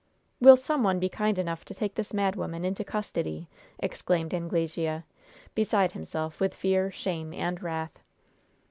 "Will some one be kind enough to take this mad woman in custody?" exclaimed Anglesea, beside himself with fear, shame and wrath.